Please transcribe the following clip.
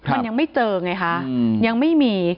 มันยังไม่เจอไงคะยังไม่มี